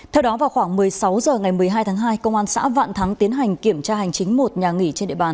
theo đó vào khoảng một mươi sáu h ngày một mươi hai tháng hai công an xã vạn thắng tiến hành kiểm tra hành chính một nhà nghỉ trên địa bàn